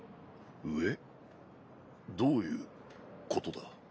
どういうことだ？